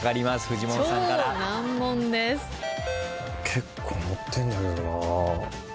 結構乗ってんだけどな。